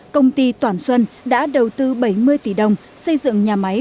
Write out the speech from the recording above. công ty toàn xuân đã đầu tư bảy mươi tỷ đồng xây dựng nhà máy